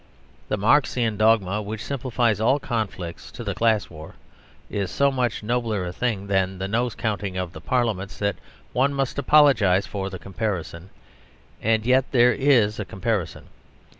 The Marxian dogma which simplifies all conflicts to the Class War is so much nobler a thing than the nose counting of the parliaments that one must apologise for the comparison. And yet there is a comparison.